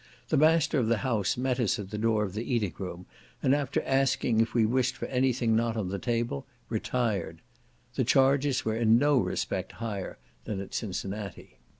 The master of the house met us at the door of the eating room, and, after asking if we wished for any thing not on the table, retired. The charges were in no respect higher than at Cincinnati.